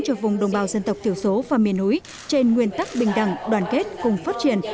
cho vùng đồng bào dân tộc thiểu số và miền núi trên nguyên tắc bình đẳng đoàn kết cùng phát triển